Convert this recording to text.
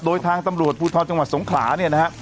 โดยทางตำรวจภูทรจังหวัดสงขลาเนี่ยนะฮะ